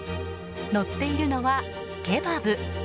載っているのはケバブ。